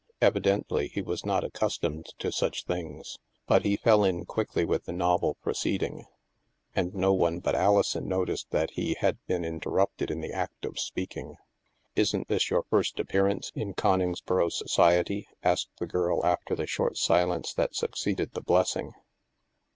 Evidently, he was not accustomed to such things; but he fell in quickly with the novel proceeding, and no one but Alison noticed that he had been in terrupted in the act of speaking. *' Isn't this your first appearance in Coningsboro society?" asked the girl after the short silence that succeeded the blessing.